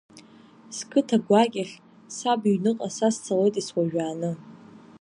Сқыҭа гәакьахь, саб иҩныҟа са сцалоит ес-уажәааны.